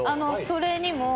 それにも。